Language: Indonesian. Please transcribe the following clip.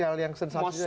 hal yang sensasinya